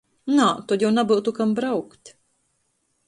Nā, tod jau nabyutu kam braukt.